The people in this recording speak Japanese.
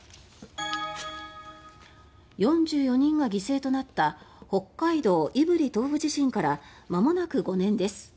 ４４人が犠牲となった北海道胆振東部地震からまもなく５年です。